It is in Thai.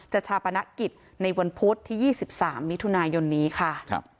ชาปนกิจในวันพุธที่๒๓มิถุนายนนี้ค่ะ